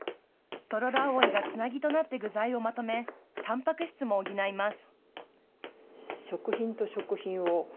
トロロアオイがつなぎとなって具材をまとめ、たんぱく質も補います。